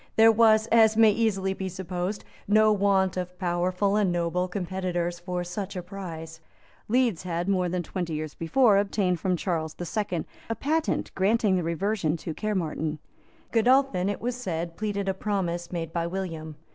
There was, as may easily be supposed, no want of powerful and noble competitors for such a prize. Leeds had, more than twenty years before, obtained from Charles the Second a patent granting the reversion to Caermarthen. Godolphin, it was said, pleaded a promise made by William.